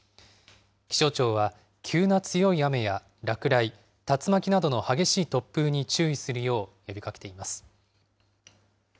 気象庁は、急な強い雨や落雷、竜巻などの激しい突風に注意するよう呼びかけています。